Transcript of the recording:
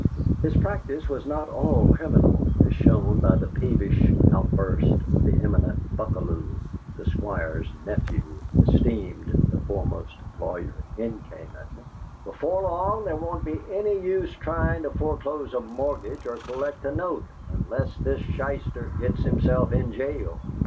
His practice was not all criminal, as shown by the peevish outburst of the eminent Buckalew (the Squire's nephew, esteemed the foremost lawyer in Canaan), "Before long, there won't be any use trying to foreclose a mortgage or collect a note unless this shyster gets himself in jail!"